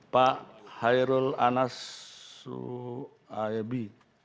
pak hairul anasuayabi